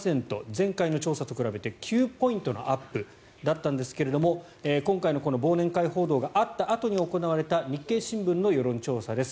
前回の調査と比べて９ポイントのアップだったんですが今回のこの忘年会報道があったあとに行われた日経新聞の世論調査です。